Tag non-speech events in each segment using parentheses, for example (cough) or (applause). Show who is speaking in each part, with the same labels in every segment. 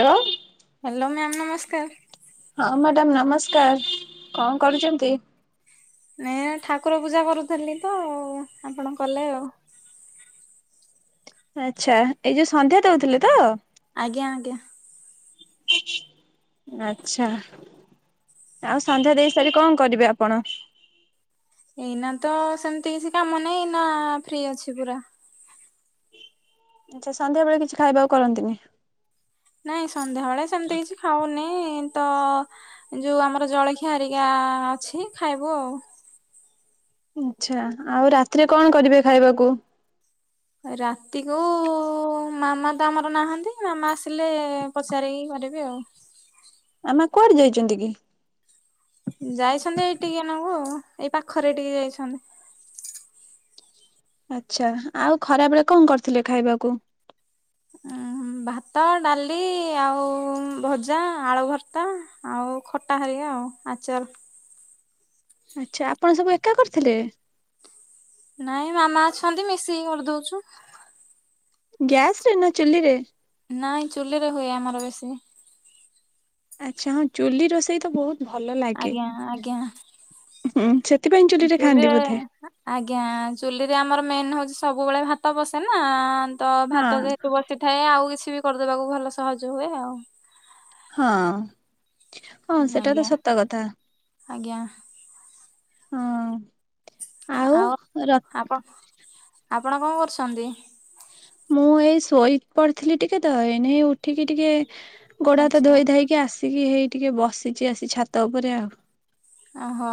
Speaker 1: ତୋର
Speaker 2: hello, ma'am ନମସ୍କାର।
Speaker 1: ହଁ ମ୍ୟାଡ଼ାମ୍ ନମସ୍କାର। କଣ କରୁଚନ୍ତି?
Speaker 2: ଏୟା ଠାକୁର ପୂଜା କରୁଥିଲି ତ ଆପଣ କଲେ ଆଉ। (unintelligible)
Speaker 1: ଆଚ୍ଛା ଏଇ ଯୋଉ ସନ୍ଧ୍ୟା ଦଉଥିଲେ ତ?
Speaker 2: ଆଜ୍ଞା, ଆଜ୍ଞା।
Speaker 1: ଆଚ୍ଛା। ଆଉ ସନ୍ଧ୍ୟା ଦେଇ ସାରି କଣ କରିବେ ଆପଣ?
Speaker 2: ଏଇନା ତ ସେମିତି କିଛି କାମ ନାହିଁ। ନା ଫ୍ରି ଅଛି ପୁରା।
Speaker 1: ଆଚ୍ଛା ସନ୍ଧ୍ୟା ବେଳେ କିଛି ଖାଇବାକୁ କରନ୍ତିନି?
Speaker 2: ନାଇଁ ସନ୍ଧ୍ୟାବେଳେ ସେମିତି କିଛି ଖାଉନି। ନି ତ ଯୋଉ ଆମର ଜଳଖିଆ ହେରିକା ଅଛି ଖାଇବୁ ଆଉ।
Speaker 1: ଆଚ୍ଛା, ଆଉ ରାତିରେ କଣ କରିବେ ଖାଇବାକୁ?
Speaker 2: ରାତିରେ ମାମା ତ ଆମର ନାହାନ୍ତି ମାମା ଆସିଲେ ପଚାରିକି କ କରିବି ଆଉ।
Speaker 1: ମାମା କୁଆଡେ ଯାଇଚନ୍ତି କି?
Speaker 2: ଯାଇଛନ୍ତି ଏଇ ଟିକେ ନାକୁ ଏଇ ପାଖରେ ଏଇଟିକି ଯାଇଛନ୍ତି।
Speaker 1: ଆଚ୍ଛା ଆଉ ଖରାବେଳେ କଣ କରିଥିଲେ ଖାଇବାକୁ?
Speaker 2: ଆ ଭାତ, ଡାଲି, ଆଉ ଭଜା, ଆଳୁ ଭର୍ତ୍ତା, ଆଉ ଖଟା ହେରିିକା ଆଉ ଆଚର।
Speaker 1: ଆଚ୍ଛା ଆପଣ ସବୁ ଏକା କରିଥିଲେ?
Speaker 2: ନାଇଁ ମାମା ଅଛନ୍ତି ମିଶିକି କରିଦଉଛୁ।
Speaker 1: ଗ୍ୟାସ୍ ରେ ନା ଚୁଲିରେ?
Speaker 2: ନାଇଁ ଚୁଲିରେ ହୁଏ ଆମର ବେଶୀ।
Speaker 1: ଆଚ୍ଛା ହଁ ଚୁଲି ରୋଷେଇ ତ ବହୁତ ଭଲ ଲାଗେ
Speaker 2: ଆଜ୍ଞା, ଆଜ୍ଞା।
Speaker 1: ହୁଁ, ସେ
Speaker 2: ଆଜ୍ଞା ଚୁଲିରେ ଆମର ମେନ୍ ହଉଛି ସବୁବେଳେ ଭାତ ବସେ ନା ତ ଭାତ
Speaker 1: ହଁ।
Speaker 2: ଯେହେତୁ ବସିଥାଏ ଆଉ କିଛି ବି କରିଦେବାକୁ ଭଲ ସହଜ ହୁଏ ଆଉ।
Speaker 1: ହଁ ହଁ, ସେଟା ତ
Speaker 2: ଆଜ୍ଞା
Speaker 1: ସତ କଥା।
Speaker 2: ଆଜ୍ଞା,
Speaker 1: ହଁ,
Speaker 2: ଆଉ
Speaker 1: ର
Speaker 2: ଆପଣ, ଆପଣ କଣ କରୁଛନ୍ତି?
Speaker 1: ମୁଁ ଏଇ ଶୋଇ ପଡିଥିଲି ଟିକେ ତ ଏଇନେ ଉଠିକି ଟିକେ ଗୋଡ ହାତ
Speaker 2: ଆଚ୍ଛା
Speaker 1: ଧୋଇ ଧାଇକି ଆସିକି ଏଇଠି ବସିଚି ଆସି ଛାତ ଉପରେ।
Speaker 2: ଓ ହୋ।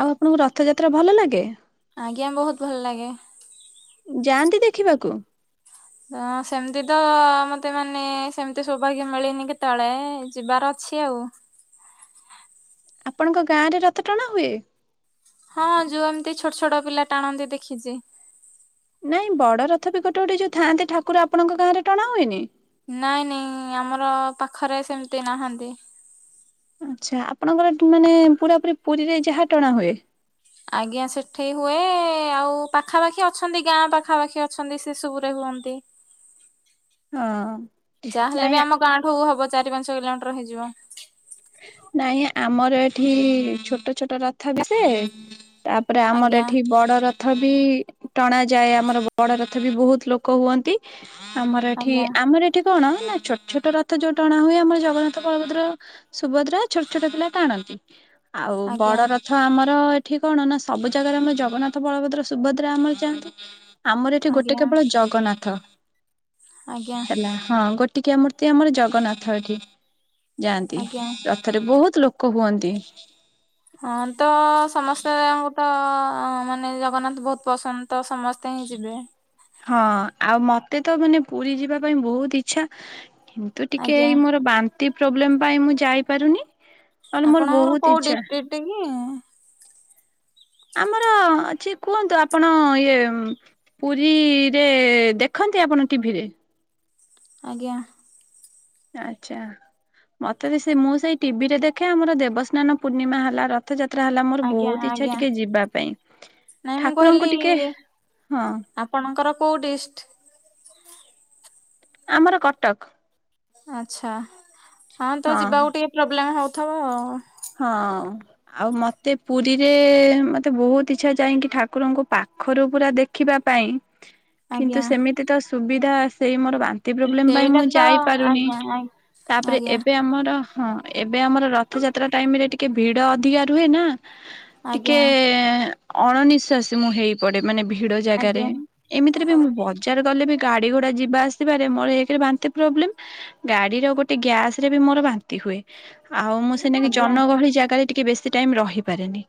Speaker 1: ଆଉ ଆପଣଙ୍କୁ ରଥଯାତ୍ରା ଭଲ ଲାଗେ?
Speaker 2: ଆଜ୍ଞା ବହୁତ ଭଲ ଲାଗେ।
Speaker 1: ଯାଆନ୍ତି ଦେଖିବାକୁ?
Speaker 2: ଆ ସେମତି ତ ମତେ ମାନେ ସେମିତି ସୌଭାଗ୍ୟ ମିଳିନି କେତେବେଳେ ଯିବାର ଅଛି ଆଉ।
Speaker 1: ଆପଣଙ୍କ ଗାଁ ରେ ରଥ ଟଣା ହୁଏ?
Speaker 2: ହଁ ଯୋଉ ଏମିତି ଛୋଟ ଛୋଟ ପିଲା ଟାଣନ୍ତି ଦେଖିଛି।
Speaker 1: ନାଇଁ ବଡ ରଥ ବି ଗୋଟେ ଗୋଟେ ଯୋଉ ଥାଆନ୍ତି ଠାକୁର ଆପଣଙ୍କ ଗାଁରେ ଟଣା ହୁଏନି?
Speaker 2: ନାଇଁ ନାଇଁ ଆମର ପାଖରେ ସେମିତି ନାହାନ୍ତି।
Speaker 1: ଆଛା ଆପଣଙ୍କର ମାନେ ପୁରା ପୁରୀରେ ଯାହା ଟଣା ହୁଏ।
Speaker 2: ଆଜ୍ଞା, ସେଠି ହୁଏ ଆଉ ପାଖାପାଖି ଅଛନ୍ତି ଗାଁ ପାଖାପାଖି ଅଛନ୍ତି ସେସବୁରେ। ଅନ୍ତି,
Speaker 1: ହଁ।
Speaker 2: ଯାହା ହେଲେ ବି
Speaker 1: ନାଇଁ
Speaker 2: ଆମ ଗାଁ ଠୁ ହବ ଚାରି ପାଞ୍ଚ କିଲୋମିଟର ହେଇଯିବ।
Speaker 1: ନାଇଁ ଆମର ଏଠି-ଇ-ଇ-ଇ ଛୋଟ ଛୋଟ ରଥ ବି ଆସେ, ତାପରେ ଆମର
Speaker 2: ଆଜ୍ଞା
Speaker 1: ଏଠି ବଡ ରଥ ରଥ ବି ଟଣା ଯାଏ ଆମର ବଡ ରଥ ବି ବହୁତ ଲୋକ ହୁଅନ୍ତି। ଆମର ଏଠି
Speaker 2: ଆଜ୍ଞା।
Speaker 1: ଆମର ଏଠି କଣ, ନା ଛୋଟ ଛୋଟ ରଥ ଯୋଉ ଟଣା ହୁଏ, ଆମର ଜଗନ୍ନାଥ ବଳଭଦ୍ର ସୁଭଦ୍ରା ଛୋଟ ଛୋଟ ପିଲା ଟାଣନ୍ତି। ଆଉ
Speaker 2: ଆଜ୍ଞା
Speaker 1: ବଡ ରଥ ଆମର ଏଠି କଣ ନା ସବୁ ଜାଗାରେ ଆମର ଜଗନ୍ନାଥ, ବଳଭଦ୍ର, ସୁଭଦ୍ରା ଆମର ଯାଆନ୍ତି। ଆମର ଏଠି ଗୋଟେ
Speaker 2: ଆଜ୍ଞା
Speaker 1: କେବଳ ଜଗନ୍ନାଥ।
Speaker 2: ଆଜ୍ଞା
Speaker 1: ହେଲା ହଁ ଗୋଟିକିଆ ମୂର୍ତ୍ତି ଆମର ଜଗନ୍ନାଥ ଏଠି। ଯାଆନ୍ତି
Speaker 2: ଆଜ୍ଞା।
Speaker 1: ରଥରେ ବହୁତ ଲୋକ ହୁଅନ୍ତି।
Speaker 2: ହଁ ତ ସମସ୍ତେ ଆମକୁ ତ-ଅ-ଅ-ଅ ମାନେ ଜଗନ୍ନାଥ ବହୁତ ପସନ୍ଦ ତ ସମସ୍ତେ କାଇ ଯିବେ?
Speaker 1: ହଁ ଆଉ ମତେ ତ ମାନେ ପୁରୀ ଯିବା ପାଇଁ ବହୁତ ଇଛା। କିନ୍ତୁ ଟିକେ
Speaker 2: ଆଜ୍ଞା
Speaker 1: ଏଇ ମୋର ବାନ୍ତି ପ୍ରୋବ୍ଲେମ୍ ପାଇଁ ମୁଁ ଯାଇପାରୁନି। ନହେଲେ ମୋର
Speaker 2: ଆପଣଙ୍କର
Speaker 1: ବହୁତ
Speaker 2: କୋଉ
Speaker 1: ଇଚ୍ଛା
Speaker 2: ଡିଷ୍ଟ୍ରିକ୍ଟ କି?
Speaker 1: ଆମର ଅଛି, କୁହନ୍ତୁ ଆପଣ ଇଏ ପୁରୀରେ ଦେଖ ନ୍ତି, ଆପଣ ଟିଭି ରେ?
Speaker 2: ଆଜ୍ଞା,
Speaker 1: ଆଛା, ମତେ ବି ସେ ମୁଁ ସେଇ ଟିଭି ରେ ଦେଖେ ଆମର ଦେବସ୍ନାନ ପୂର୍ଣ୍ଣିମା ହେଲା ରଥଯାତ୍ରା। ଯାତ୍ରା ହେଲା ମୋର
Speaker 2: ଆଜ୍ଞା
Speaker 1: ବହୁତ ଇଚ୍ଛା
Speaker 2: ଆଜ୍ଞା
Speaker 1: ଟିକେ ଯିବା ପାଇଁ
Speaker 2: ନାଇଁ ମୁଁ କହିଲି
Speaker 1: ଠାକୁରଙ୍କୁ ଟିକେ ହଁ
Speaker 2: ଆପଣଙ୍କର କୋଉ ଡିଷ୍ଟ?
Speaker 1: ଆମର କଟକ।
Speaker 2: ଆଛା ହଁ ତ ଯିବାକୁ ଟିକେ ପ୍ରୋବ୍ଲେମ ହଉଥିବ ଆଉ।
Speaker 1: ହଁ ଆଉ ମତେ ପୁରୀରେ ମତେ ବହୁତ ଇଚ୍ଛା ଯାଇଙ୍କି ଠାକୁରଙ୍କୁ ପାଖ ପାଖରୁ ପୁରା ଦେଖିବା ପାଇଁ କିନ୍ତୁ
Speaker 2: ଆଜ୍ଞା।
Speaker 1: ସେମିତି ତ ସୁବିଧା ସେଇ ମୋର ବାନ୍ତି ପ୍ରୋବ୍ଲେମ ପାଇଁ
Speaker 2: ସେଇଟା
Speaker 1: ମୁଁ
Speaker 2: ତ
Speaker 1: ଯାଇପାରୁନି,
Speaker 2: ଆଜ୍ଞା ଆଜ୍ଞା।
Speaker 1: ତାପରେ ଏବେ ଆମର ହଁ ଏବେ ଆମର ରଥଯାତ୍ରା ଟାଇମ ରେ ଟିକେ ଭିଡ ଅଧିକା ରୁହେ ନା।
Speaker 2: ଆଜ୍ଞା
Speaker 1: ଟିକେ-ଏ-ଏ-ଏ ଅଣନିଃଶ୍ବାସୀ ମୁଁ ହେଇପଡେ ମାନେ ଭି ଭିଡ ଜାଗାରେ
Speaker 2: ଆଜ୍ଞା
Speaker 1: ଏମିତିରେ ବି ମୁଁ ବଜାର ଗଲେ ଗାଡି ଘୋଡା ଯିବା ଆସିବାରେ ମୋର ଏକ୍ ରେ ବାନ୍ତି ପ୍ରୋବ୍ଲେମ ଗାଡିର ଗୋଟେ ଗ୍ୟାସରେ ବି ମୋର ବାନ୍ତି ହୁ ହୁଏ ଆଉ ସେନାକୀ
Speaker 2: ଆଜ୍ଞା ଆଜ୍ଞା
Speaker 1: ଜନ ଗହଳି ଜାଗାରେ ଟିକେ ବେଶ ଟାଇ ରହିପାରେନି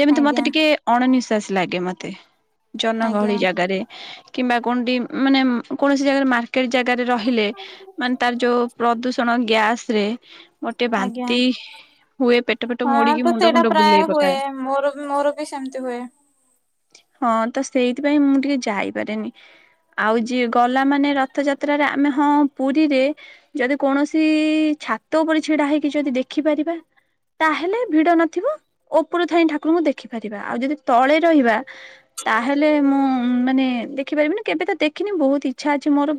Speaker 1: ଯେମିତି ମତେ
Speaker 2: ଆଜ୍ଞା।
Speaker 1: ଟିକେ ଅଣ ନିଶ୍ୱାସ ଅଣନିଶ୍ୱାସୀ ଲାଗେ ମତେ
Speaker 2: ଆଜ୍ଞା
Speaker 1: ଜନଗହଳି ଜାଗାରେ କିମ୍ବା କଉଠି ମାନେ କୌଣସି ଜାଗାରେ ମାର୍କେଟ ଜାଗାରେ ରହିଲେ ମାନେ ତାର ଯୋଉ ପ୍ରଦୂଷଣ ଗ୍ୟାସ ରେ ମୋର ଟିକେ
Speaker 2: ଆଜ୍ଞା
Speaker 1: ବାନ୍ତି ହୁଏ ପେଟ ପେଟ
Speaker 2: ହଁ
Speaker 1: ମୋଡିକି
Speaker 2: ତ
Speaker 1: ମୁଣ୍ଡ
Speaker 2: ସେଇଟା
Speaker 1: ଫୁଣ୍ଡ
Speaker 2: ପ୍ରାୟ
Speaker 1: ବୁଲେଇ
Speaker 2: ହୁଏ
Speaker 1: ପକାଏ।
Speaker 2: ମୋର ମୋର ବି ସେମିତି ହୁଏ।
Speaker 1: ହଁ ତ ସେଇଥିପାଇଁ ମୁଁ ଟିକେ ଯାଇପାରେନି। ଆଉ ଯିଏ ଗଲା ମାନେ ରଥଯାତ୍ରାରେ ଆମେ ହଁ ପୁରୀରେ ଯଦି କୌଣସି ଛାତ ଉପରେ ଛିଡା ହେଇକି ଯଦି ଦେଖିପାରିବା ତାହେଲେ ଭିଡ ନଥିବ ଉପରୁ ଥାଇ ଠାକୁରଙ୍କୁ ଦେଖିପାରିବା ଆଉ ଯଦି ତଳେ ରହିବା ତାହେଲେ ମୁଁ ମାନେ ଦେଖିପାରିବି ନା କେବେ ତ ଦେଖିନି ବହୁତ ଇଛା ଅଛି ମୋର।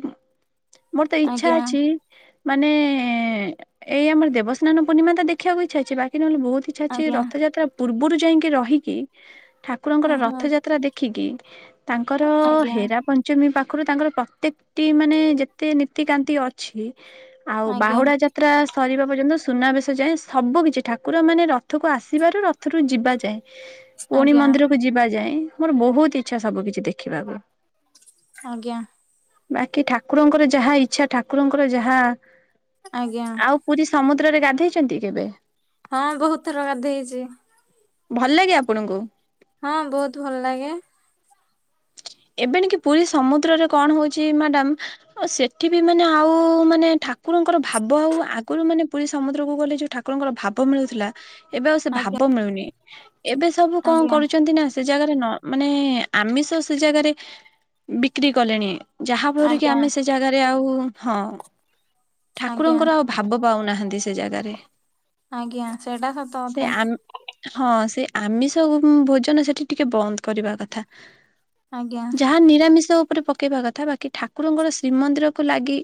Speaker 1: ମୋର ତ ଇଚ୍ଛା
Speaker 2: ଆଜ୍ଞା
Speaker 1: ଅଛି ମାନେ ଏଇ ଆମର ଦେବସ୍ନାନ ପୂ୍ଣ୍ଣି ପୂର୍ଣ୍ଣିମା ତ ଦେଖିବାକୁ ଇଛା ଅଛି ବାକି ନହେଲେ ବହୁତଇଛା ଅଛି ଯେ
Speaker 2: ଆଜ୍ଞା
Speaker 1: ରଥଯାତ୍ରା ପୂର୍ବରୁ ଯାଇକି ରହିକି ଠାକୁରଙ୍କର
Speaker 2: ଓହୋ
Speaker 1: ରଥଯାତ୍ରା ଦେଖିକି ତାଙ୍କର
Speaker 2: ଆଜ୍ଞା
Speaker 1: ହେରା ପଞ୍ଚମୀ ପାଖ ପାଖରୁ ତାଙ୍କର ପ୍ରତ୍ୟେକଟି ମାନେ ଯେତେ ନୀତିକାନ୍ତି ଅଛି ଆଉ
Speaker 2: ଆଜ୍ଞା
Speaker 1: ବାହୁଡା ଯାତ୍ରା ସରିବା ପର୍ଯ୍ୟନ୍ତ ସୁନାବେଶ ଯାଏଁ ସବୁ କିିଛି ଠାକୁରମାନେ ରଥକୁ ଆସିବାରୁ ରଥରୁ ଯିବା ଯାଏଁ ପୁଣି
Speaker 2: ଆଜ୍ଞା
Speaker 1: ମନ୍ଦିରକୁ ଯିବା ଯାଏ ମୋର ବହୁତ ଇଛା ସବୁ କିଛି ଦେଖିବାକୁ।
Speaker 2: ଆଜ୍ଞା।
Speaker 1: ବାକି ଠାକୁରଙ୍କର ଯାହା ଇଚ୍ଛା ଠାକୁରଙ୍କର ଯାହା
Speaker 2: ଆଜ୍ଞା
Speaker 1: ଆଉ ପୁରୀ ସମସ୍ତ ଚନ୍ଦ୍ରରେ ଗାଧେଇଛନ୍ତି କେବେ?
Speaker 2: ହଁ ବହୁତ ଥର ଗଧେଇଛି।
Speaker 1: ଭଲ ଲାଗେ ଆପଣଙ୍କୁ?
Speaker 2: ବହୁତ ଭଲ ଲାଗେ ହଁ।
Speaker 1: ଏବେଣି କି ପୁରୀ ସମୁଦ୍ରରେ କଣ ହଉଛି ମ୍ୟାଡାମ ସେଠି ବି ମାନେ ଆଉ ମାନେ ଠାକୁ ଠାକୁରଙ୍କର ଭାବ ଆଉ ଆଗରୁ ମାନେ ପୁରୀ ସମୁଦ୍ରକୁ ଗଲେ ଯୋଉ ଠାକୁରଙ୍କର ଭାବ ମିଳୁଥିଲା ଏବେ ଆଉ ସେ
Speaker 2: ଆଜ୍ଞା।
Speaker 1: ଭାବ ମିଳୁନି ଏବେ ସବୁ କଣ
Speaker 2: ଆଜ୍ଞା
Speaker 1: କରୁଛନ୍ତି ନା ସେ? ଜାଗାରେ ନ ମାନେ ଆମିଷ ସେ ଜାଗାରେ ବିକ୍ରି କଲେଣି। ଯାହାଫଳରେ କି
Speaker 2: ଆଜ୍ଞା
Speaker 1: ଆମେ ସେ ଜାଗାରେ ଆଉ ହଁ।
Speaker 2: ଆଜ୍ଞା
Speaker 1: ଠାକୁରଙ୍କର ଆଉ ଭାବ ପାଉନାହାନ୍ତି ସେ ଜାଗାରେ।
Speaker 2: ଆଜ୍ଞା ସେଇଟା ସତ
Speaker 1: ସେ
Speaker 2: କଥା
Speaker 1: ଆମ ହଁ ସେ। ଆମିଷ ଭୋଜନ ସେଠି ଟିକେ ବନ୍ଦ କରିବା କଥା
Speaker 2: ଆଜ୍ଞା
Speaker 1: ଯାହା ନିରାମିଷ ଉପରେ ପକେଇବା କଥା ବାକି ଠାକୁରଙ୍କର ଶ୍ରୀମନ୍ଦିରକୁୁ ଲାଗି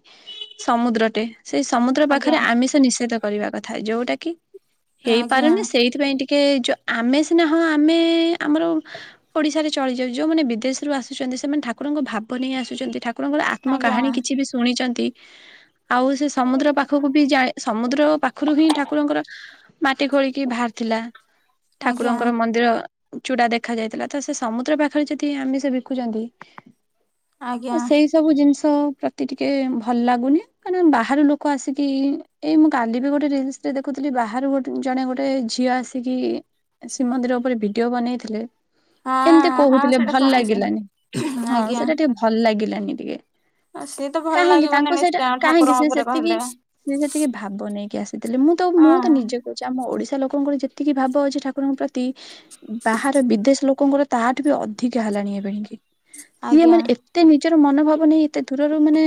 Speaker 1: ସମୁଦ୍ରଟେ ସେଇ ସମୁଦ୍ର
Speaker 2: ଆଜ୍ଞା
Speaker 1: ପାଖରେ ଆମିଷ ନିଷେଧ କରିବା କଥା ଯୋଉଟା କି
Speaker 2: ଆଜ୍ଞା
Speaker 1: ହେଇପାରୁନି ସେଇଥିପାଇଁ ଟିକେ ଟିକେ ଚ ଆମେ ସିନା ହ ଆମେ ଆମର ଓଡିଶାରେ ଚଳିଯାଉ ଯୋଉମାନେ ବିଦେଶରୁ ଆସୁଛନ୍ତି ସେମାନେ ଠାକୁରଙ୍କ ଭାବ ନେଇ ଆସୁଛନ୍ତି ଠାକୁରଙ୍କର
Speaker 2: ଆଜ୍ଞା
Speaker 1: ଆତ୍ମକାହାଣୀ କିଛି ବି ଶୁଣିଛନ୍ତି। ଆଉ ସେ ସମୁଦ୍ର ପାଖକୁ ବି ଯା ସମୁଦ୍ର ପାଖରୁ ହିଁ ଠାକୁରଙ୍କର ମାଟି ଖୋଳିକି ବାହାରିଥିଲା। ଥିଲା
Speaker 2: ଆଜ୍ଞା
Speaker 1: ଠାକୁରଙ୍କର ମନ୍ଦିର। ଚୂଡା ଦେଖା ଯାଇଥିଲା ତ ସେ ସମୁଦ୍ର ପାଖରେ ଯଦି ଆମିସ ବିକୁଛନ୍ତି
Speaker 2: ଆଜ୍ଞା
Speaker 1: ସେଇ ସବୁ ଜିନିଷ ତ ପ୍ରତି ଟିକେ ଭଲ ଲାଗୁନି କାରନା ବାହାରୁ ଲୋକ ଆସିକି ଏଇ ମୁଁ କାନ୍ଦିବି ଗୋଟେ ଜିନି ଦେଖୁଥିଲି ବାହାରୁ ଗେ ଜଣେ ଗୋଟେ ଝିଅ ଆସିକି ଶ୍ରୀମନ୍ଦିର ଉପରେ ଭିଡିଓ ବନେଇଥିଲେ। ଏମିତି
Speaker 2: ହଁ ହଉ।
Speaker 1: କହୁଥିଲେ ଭଲ ଲାଗିଲାନି ହଁ ସେଟା ଟିକେ ଭଲ ଲାଗିଲାନି ଟିକେ।
Speaker 2: ଆ ସେ।
Speaker 1: କାହିଁକି ତାଙ୍କୁ ସେଇଟା କାହିଁକି ସେ ସେତିକି
Speaker 2: କହିଲେ
Speaker 1: ସେ ସେତିକି ଭାବ ନେଇକି ଆସିଥିଲେ ମୁଁ ତ ମୁଁ
Speaker 2: ହଁ
Speaker 1: ନିଜ ଅଛି ଆମ ଓଡିଶା। ଲୋକଙ୍କର ଯେତିକି ଭାବ ଅଛି ଠାକୁରଙ୍କ ପ୍ରତି ବାହାର ବିଦେଶ ଲୋକଙ୍କର ତାହାଠୁ ବି ଅ ଅଧିକା ହେଲାଣି ଏବେ ସିଏ
Speaker 2: ଆଜ୍ଞା।
Speaker 1: ମାନେ ଏତେ ନିଜର ମନୋଭାବ ନେଇ ଏତେ ଦୂର ମାନେ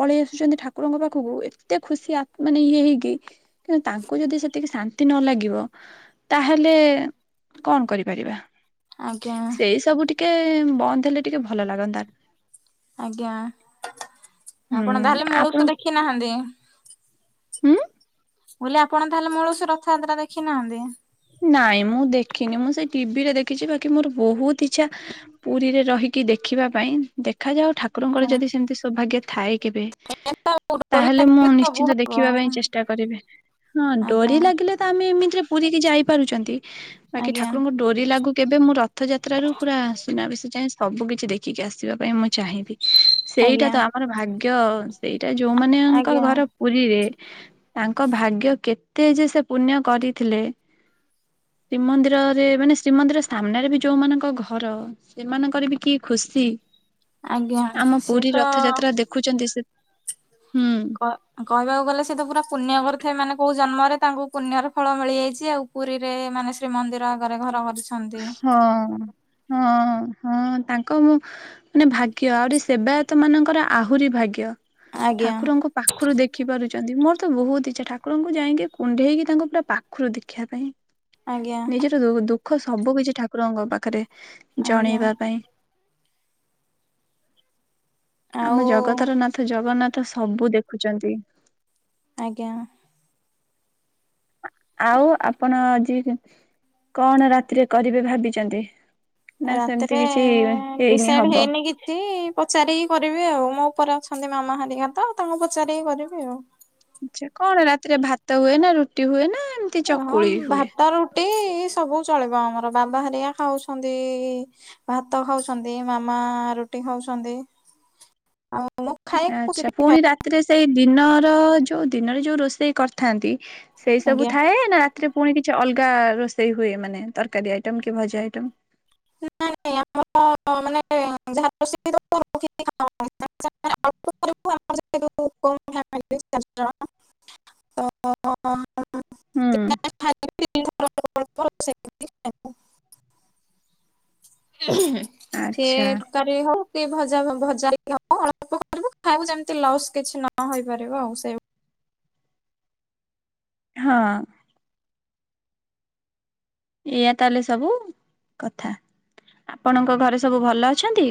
Speaker 1: ପଳେଇ ଆସୁଛନ୍ତି ଠାକୁରଙ୍କ ପାଖକୁ। ଏତେ ଖୁସି ମାନେ ଇଏ ହେଇକି କିନ୍ତୁ ତାଙ୍କୁ ଯଦି ସେତିକି ଶାନ୍ତି ନ ଲାଗିବ ତାହେଲେ କଣ କରିପାରିବା?
Speaker 2: ଆଜ୍ଞା।
Speaker 1: ସେଇ ସବୁ ଟିକେ ବନ୍ଦ ହେଲେ ଟିକେ ଭଲ ଲାଗନ୍ତା।
Speaker 2: ଆଜ୍ଞା,
Speaker 1: ହୁଁ
Speaker 2: ଆପଣ ତାହେଲେ ମୂଳରୁ
Speaker 1: ଆପଣ
Speaker 2: ତ ଦେଖି ନାହାନ୍ତି?
Speaker 1: ହୁଁ।
Speaker 2: ମୁଁ କହିଲି ଆପଣ ତାହେଲେ ମୁଲସୁ ରଥଯାତ୍ରା ଦେଖି ନାହାନ୍ତି।
Speaker 1: ନାଇଁ ମୁଁ ଦେଖିନି ମୁଁ ସେ ଟିଭିରେ ଦେଖିଛି ବାକି ମୋର ବହୁତ ଇଚ୍ଛା ପୁରୀରେ ରହିି କି ଦେଖିବା ପାଇଁ ଦେଖାଯାଉ ଠାକୁରଙ୍କର
Speaker 2: ଆଚ୍ଛା।
Speaker 1: ଯଦି ସେମିତି ସୌଭାଗ୍ୟ ଥାଏ କେବେ।
Speaker 2: ଏନ୍ତା ଡୋରି
Speaker 1: ତାହେଲେ ମୁଁ
Speaker 2: ଲାଗିଲେ ସବୁ
Speaker 1: ନିଶ୍ଚିନ୍ତ
Speaker 2: ହବ
Speaker 1: ଦେଖିବା ପାଇଁ ଚେଷ୍ଟା କରିବି। ହଁ
Speaker 2: ଆଜ୍ଞା
Speaker 1: ଡୋରି ଲାଗିଲେ ତ ଆମେ ଏମିତିରେ ପୁରୀ କିି ଯାଇ ପାରୁଛନ୍ତି। ବାକି
Speaker 2: ଆଜ୍ଞା
Speaker 1: ଠାକୁରଙ୍କ ଡୋରି ଲାଗୁ କେବେ ମୁଁ ରଥଯାତ୍ରାରୁ ପୁରା ସୁନାବେଶ ଯାଏଁ ସବୁ କିିଛି ଦେଖିକି ଆସିବା ପାଇଁ ମୁଁ ଚାହିଁବି। ସେଇଟା
Speaker 2: ଆଜ୍ଞା
Speaker 1: ତ ଆମର ଭାଗ୍ୟ ସେଇଟା ଯୋଉ ମାନଙ୍କ
Speaker 2: ଆଜ୍ଞା
Speaker 1: ଘର ପୁରୀରେ ତାଙ୍କ ଭାଗ୍ୟ କେତେ ଯେ ସେ ପୁଣ୍ୟ କରିଥିଲେ।
Speaker 2: (inaudible)
Speaker 1: ଶ୍ରୀମନ୍ଦିରରେ ମାନେ ଶ୍ରୀମନ୍ଦିର ସାମ୍ନାରେ ବି ଯୋଉମାନଙ୍କ ଘର ସେମାନଙ୍କର ବି କି ଖୁସି।
Speaker 2: ଆଜ୍ଞା
Speaker 1: ଆମ
Speaker 2: ସିଏ ତ
Speaker 1: ପୁରୀ ରଥଯାତ୍ରା ଦେଖୁଛନ୍ତି ସେ ହୁଁ।
Speaker 2: କ କହିବାକୁ ଗଲେ ସେ ତ ପୁରା ପୁଣ୍ୟ କରିଥାଏ ମାନେ କହୁ ଜନ୍ମରେ ତାଙ୍କୁ ପୁଣ୍ୟର ଫଳ ମିଳିଯାଇଛି ଆଉ। ପୁରୀରେ ମାନେ ଶ୍ରୀମନ୍ଦିର ଆଗରେ ଘର କରି
Speaker 1: ହଁ ହଁ। ହଁ ତାଙ୍କ ମୁଁ ମାନେ ଭାଗ୍ୟ ଆହୁରି ସେବାୟତ ମାନଙ୍କର ଆହୁରି ଭାଗ୍ୟ।
Speaker 2: ଆଜ୍ଞା
Speaker 1: ଠାକୁରଙ୍କ ପାଖରୁ ଦେଖି ପାରୁଛନ୍ତି। ମୋର ତ ବହୁତ ଇଚ୍ଛା ଠାକୁରଙ୍କୁ ଯାଇକି କୁଣ୍ଢେଇକି ତାଙ୍କୁ ପୁରା ପାଖରୁ ଦେଖିବା ପାଇଁ।
Speaker 2: ଆଜ୍ଞା
Speaker 1: ନିଜର ଦୁଃଖ ସବୁ କିଛି ଠାକୁରଙ୍କ ପାଖରେ।
Speaker 2: ଆଜ୍ଞା
Speaker 1: ଜଣେଇବା ପାଇଁ
Speaker 2: ଆଉ
Speaker 1: ଆମ ଜଗତର ନାଥ ଜଗନ୍ନାଥ ସବୁ ଦେଖୁଛନ୍ତି।
Speaker 2: ଆଜ୍ଞା।
Speaker 1: ଆ ଆଉ ଆପଣ ଆଜି କଣ ରାତିରେ କରିବେ ଭାବିଛନ୍ତି? ନା ସେମିତି
Speaker 2: ରାତିରେ
Speaker 1: କିଛି ହେଇନି
Speaker 2: ଡ଼ିସାଇଡ଼
Speaker 1: ହବ?
Speaker 2: ହେଇନି କିଛି ପଚାରିକି କରିବି ଆଉ। ମୁଁ ଉପରେ ଅ ଅଛନ୍ତି ମାମା ହେରିକା ତ ତାଙ୍କୁ ପଚାରିକି କରିବି ଆଉ।
Speaker 1: ଆଛା କଣ ରାତିରେ ଭାତ ହୁଏ ନା ରୁଟି ହୁଏ ନା ଏମିତି
Speaker 2: ହଁ
Speaker 1: ଚକୁଳି ହୁଏ?
Speaker 2: ଭାତ ରୁଟି ସବୁ ଚଳିବ ଆମର ବାବା ହେରିକା ଖାଉଛନ୍ତି ଭାତ ଖାଉଛନ୍ତି। ମାମା ରୁଟି ଖାଉଛନ୍ତି। ଆଉ ମୁଁ ଖାଏ ଖୁସି
Speaker 1: ଆଛା
Speaker 2: ଟିକେ
Speaker 1: ପୁଣି ରାତିରେ ସେଇ ଦିନର ଯୋଉ ଦିନରେ ଯୋଉ ରୋଷେଇ କରିଥାନ୍ତି ସେଇ
Speaker 2: ଖାଏ
Speaker 1: ସବୁ
Speaker 2: ଆଜ୍ଞା
Speaker 1: ଥାଏ ନା ସେଥିରେ ପୁଣି କିଛି ଅଲଗା ରୋଷେଇ ହୁଏ ମାନେ ତରକାରୀ ଆଇଟମ କି ଭଜା ଆଇଟମ୍?
Speaker 2: ନାଇଁ ନାଇଁ ଆମର ମାନେ ଯାହା (inaudible)
Speaker 1: ହୁଁ
Speaker 2: (inaudible) (inaudible) (inaudible) ସିଏ
Speaker 1: ଆଚ୍ଛା
Speaker 2: ତକାରୀ ହଉ ସେ ଭଜା ଭଜା ହଉ ଅଳ୍ପ ଆ ଖାଇବୁ ଯେମିତି ଲସ୍ କିଛି ନ ହେଇପାରିବ ଆଉ। ସେଇ
Speaker 1: ହଁ। ଏଇଆ ତାହେଲେ ସବୁ କଥା। ଆପଣଙ୍କ ଘରେ ସବୁ ଭଲ ଅଛନ୍ତି?